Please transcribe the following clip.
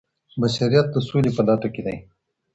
بشریت د سولې په لټه کي دی.